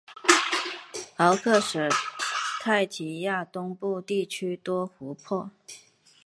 奥克施泰提亚东部地区多湖泊。